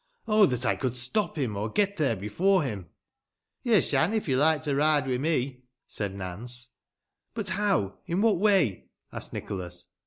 Oh ! that I could stop him, or get there before him !"" Te shan, if yo like tö ride wi' me," said Nance. *f But how — ^in what way ?^' asked Nicholas.